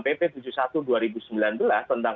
pp tujuh puluh satu dua ribu sembilan belas tentang